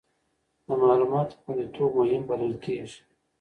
د معلوماتو خوندیتوب مهم بلل کېږي.